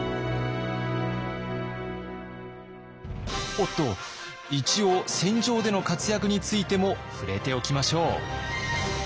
おっと一応戦場での活躍についても触れておきましょう。